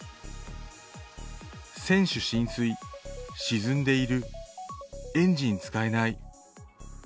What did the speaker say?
船首浸水、沈んでいる、エンジン使えない。